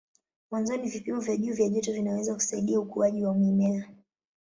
Mwanzoni vipimo vya juu vya joto vinaweza kusaidia ukuaji wa mimea.